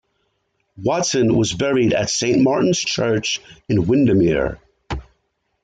Watson was buried at Saint Martin's Church in Windermere.